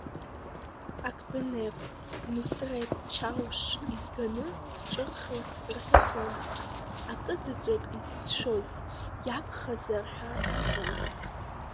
Ақбенек Нусреҭ Чауш изганы дҿырхырц рҭахын, акы заҵәык изыцәшәоз иагхазар ҳәа акәын.